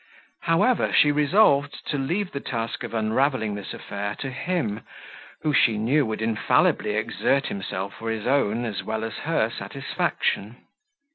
However, she resolved to leave the task of unravelling this affair to him, who, she knew, would infallibly exert himself for his own as well as her satisfaction.